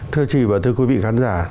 thưa chị và thưa quý vị khán giả